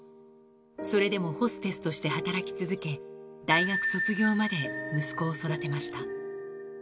それでもホステスとして働き続け、大学卒業まで息子を育てました。